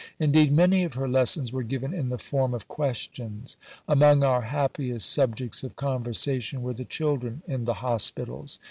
Indeed many of her lessons were given in the form of questions. Among our happiest subjects of conversation were the children in the hospitals.